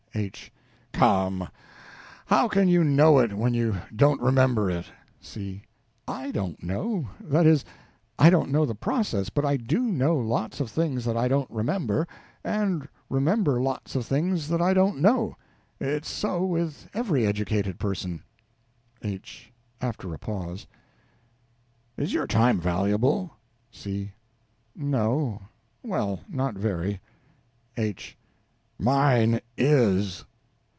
H. Come how can you know it when you don't remember it. C. I don't know. That is, I don't know the process, but I_ do_ know lots of things that I don't remember, and remember lots of things that I don't know. It's so with every educated person. H. (After a pause). Is your time valuable? C. No well, not very. H. Mine is.